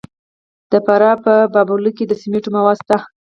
د فراه په بالابلوک کې د سمنټو مواد شته.